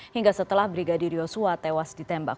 hingga setelah brigadir yosua tewas ditembak